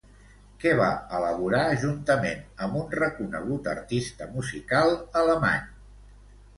Què va elaborar juntament amb un reconegut artista musical alemany?